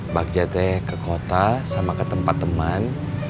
bagja ke kota sama ke tempat teman